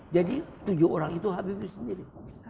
jadi tujuh orang itu habibie sendiri